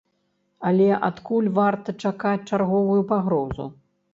Але адкуль варта чакаць чарговую пагрозу?